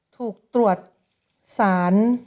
ถูกตรวจสาร